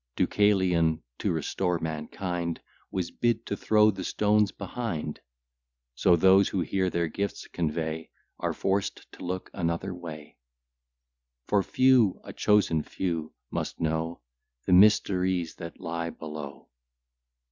Deucalion, to restore mankind, Was bid to throw the stones behind; So those who here their gifts convey Are forced to look another way; For few, a chosen few, must know The mysteries that lie below.